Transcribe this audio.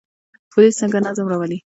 پولیس څنګه نظم راولي؟